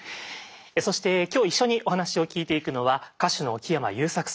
そして今日一緒にお話を聞いていくのは歌手の木山裕策さんです。